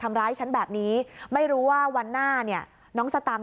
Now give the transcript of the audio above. ทำร้ายฉันแบบนี้ไม่รู้ว่าวันหน้าเนี่ยน้องสตังค์